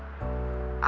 aku mau kesana